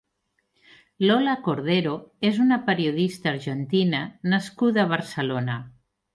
Lola Cordero és una periodista argentina nascuda a Barcelona.